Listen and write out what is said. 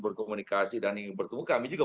berkomunikasi dan bertemu kami juga